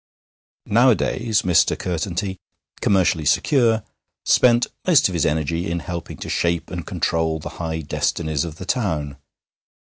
Nowadays Mr. Curtenty, commercially secure, spent most of his energy in helping to shape and control the high destinies of the town.